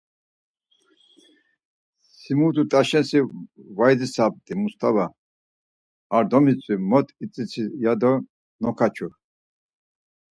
Si mutu t̆asenşi var idzitsamt̆i Mustava ar domitzvi mot idzitsini ya do nokaçu.